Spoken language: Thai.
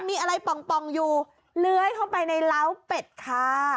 มีอะไรป่องอยู่เลื้อยเข้าไปในร้าวเป็ดค่ะ